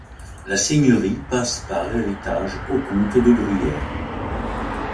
La seigneurie passe par héritage aux comtes de Gruyère.